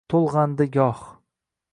To’lg’andi goh